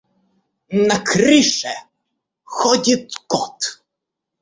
На крыше ходит кот.